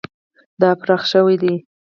دا پراخ شوی دی.